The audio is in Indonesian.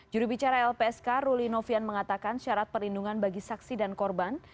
jurubicara lpsk ruli novian mengatakan syarat perlindungan bagi saksi dan korban